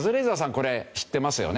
これ知ってますよね。